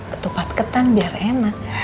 ketupat ketan biar enak